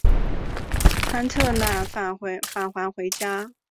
斡特懒返还回家。